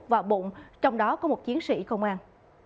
và bụng trong đó có một chiến sĩ công an